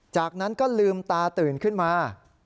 จากนั้นก็ลืมตาตื่นขึ้นมา